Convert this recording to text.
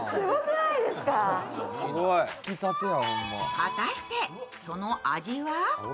果たしてその味は？